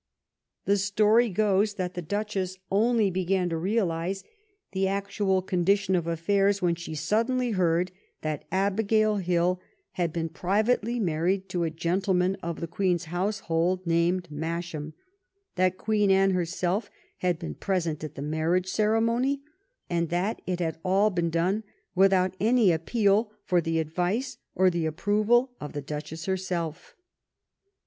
The story goes that the Duchess only began to realize the actual condition of affairs when she sud* denly heard that Abigail Hill had been privately mar ried to a gentleman of the Queen's household named Masham^ that Queen Anne herself had been present at the marriage ceremony, and that it had all been done without any appeal for the advice or the approval of the Duchess herself.